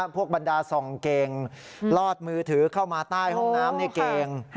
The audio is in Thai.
บรรดาส่องเก่งลอดมือถือเข้ามาใต้ห้องน้ำเก่ง